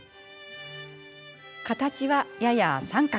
形は、やや三角。